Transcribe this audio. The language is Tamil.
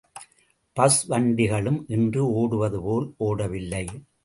பஸ் வண்டிகளும் இன்று ஓடுவது போல் ஓடவில்லை.